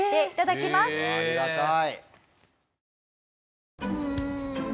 うわありがたい。